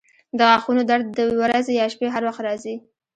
د غاښونو درد د ورځې یا شپې هر وخت راځي.